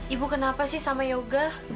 ibu kenapa sih sama yoga